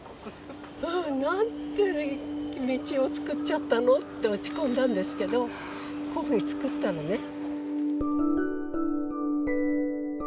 「なんて道を造っちゃったの！？」って落ち込んだんですけどこういうふうに造ったのね。